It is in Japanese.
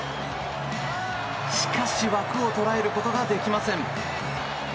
しかし枠を捉えることができません。